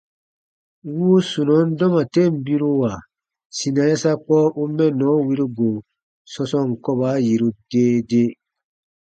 Wuu sunɔn dɔma ten biruwa sina yasakpɔ u mɛnnɔ wiru go sɔ̃sɔɔn kɔba yiru dee dee.